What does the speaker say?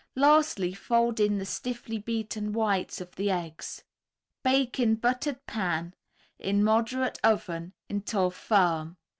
Lastly fold in the stiffly beaten whites of the eggs. Bake in buttered pan, in moderate oven until firm.